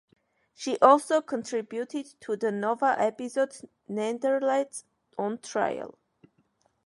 She also contributed to the Nova episode "Neanderthals on Trial".